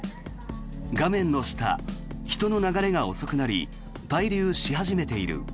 画面の下、人の流れが遅くなり滞留し始めている。